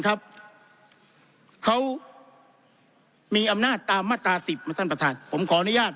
เขามีอำนาจตามมาตราสิบนะท่านประธานผมขออนุญาต